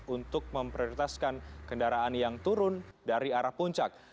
untuk memprioritaskan kendaraan yang turun dari arah puncak